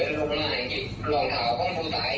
ถึงได้ใช้เงินจากการฝนฐาน